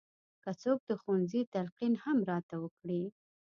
که څوک د ښوونځي تلقین هم راته وکړي.